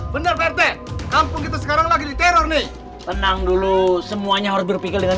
benar perte kampung kita sekarang lagi diteror nih tenang dulu semuanya harus berpikir dengan